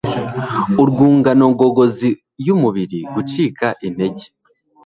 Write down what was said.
urwungano ngogozi yumubiri gucika intege